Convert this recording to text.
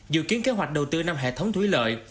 dự kiến kế hoạch đầu tư năm hệ thống thúy lợi